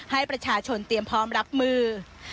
ให้ประชาชนเตรียมพร้อมรับมือ